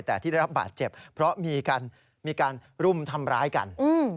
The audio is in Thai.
แต่ที่ได้รับบาดเจ็บเพราะมีการรุมทำร้ายกัน